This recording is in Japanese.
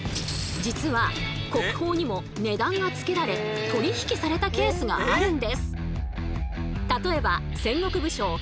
実は国宝にも値段がつけられ取り引きされたケースがあるんです！